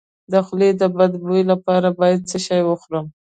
د خولې د بد بوی لپاره باید څه شی وخورم؟